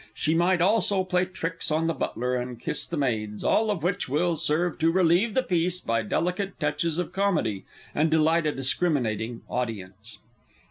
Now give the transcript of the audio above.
She might also play tricks on the Butler, and kiss the maids all of which will serve to relieve the piece by delicate touches of comedy, and delight a discriminating audience.